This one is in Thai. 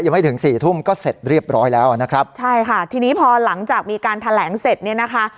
ไม่ถึงสี่ทุ่มก็เสร็จเรียบร้อยแล้วนะครับใช่ค่ะทีนี้พอหลังจากมีการแถลงเสร็จเนี่ยนะคะ